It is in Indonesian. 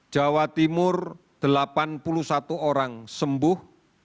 jawa timur delapan puluh satu orang sembuh